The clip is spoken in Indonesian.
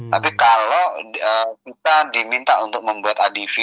tapi kalau kita diminta untuk membuat adv